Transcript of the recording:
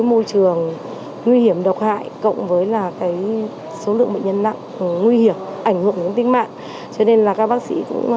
cái môi trường nguy hiểm độc hại cộng với số lượng bệnh nhân nặng nguy hiểm ảnh hưởng đến tính mạng cho nên là các bác sĩ lại càng căng thẳng hơn